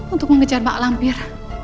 untuk mengejar mbak lampir